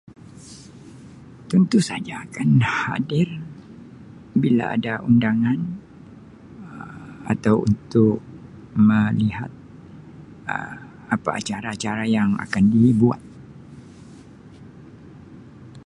Tentu saja akan hadir bila ada undangan Um atau untuk melihat Um apa acara-acara yang akan dibuat.